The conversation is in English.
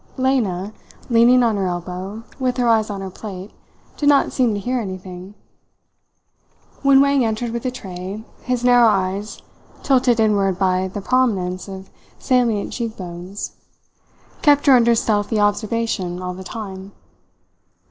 Lena, leaning on her elbow, with her eyes on her plate, did not seem to hear anything. When Wang entered with a tray, his narrow eyes, tilted inward by the prominence of salient cheek bones, kept her under stealthy observation all the time.